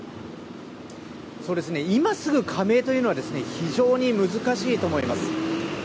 今すぐ加盟というのは非常に難しいと思います。